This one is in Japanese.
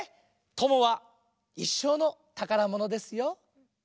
友はいっしょうのたからものですよ。